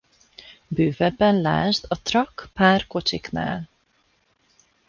Bővebben lásd a truck pár kocsiknál.